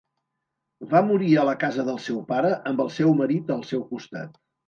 Va morir a la casa del seu pare amb el seu marit al seu costat.